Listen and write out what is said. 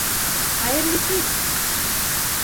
Хәйерле кис!